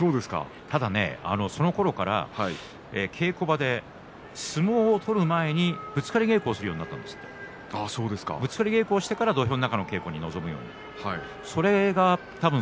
ただそのころから稽古場で相撲を取る前にぶつかり稽古をするようになったとぶつかり稽古をしてから土俵の中の稽古に臨むようになったと。